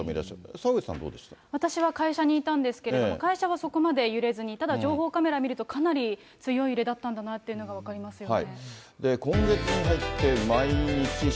澤口さん、ど私は会社にいたんですけれども、会社はそこまで揺れずに、ただ情報カメラを見ると、かなり強い揺れだったんだなっていうのが分かりますよね。